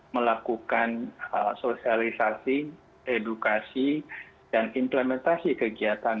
melakukan sosialisasi edukasi dan implementasi kegiatan